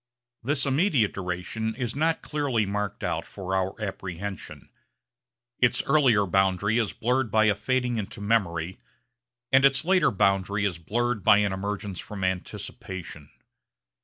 This immediate duration is not clearly marked out for our apprehension. Its earlier boundary is blurred by a fading into memory, and its later boundary is blurred by an emergence from anticipation.